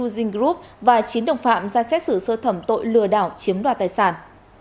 hưu dinh group và chín đồng phạm ra xét xử sơ thẩm tội lừa đảo chiếm đoàn tài sản